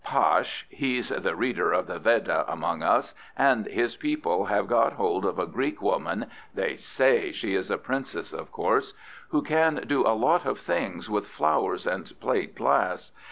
"Pash he's the Reader of the Veda among us and his people have got hold of a Greek woman (they SAY she is a princess, of course), who can do a lot of things with flowers and plate glass.